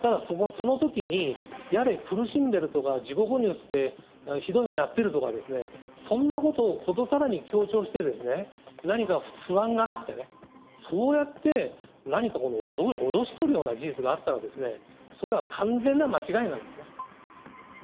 ただそれはそのときに、やれ苦しんでるとか、地獄に落ちてひどい目に遭ってるとかですね、そんなことをことさらに強調してですね、何か不安がらせて、そうやって何かこう、脅し取るような事実があったらですね、それは完全な間違いなんですね。